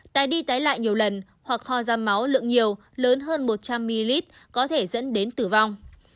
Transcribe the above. tái đi tái lại nhiều lần hoặc hoa da máu lượng nhiều lớn hơn một trăm linh ml có thể dẫn đến tử vong